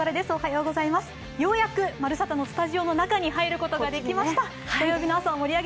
ようやく「まるサタ」のスタジオの中に入ることができました。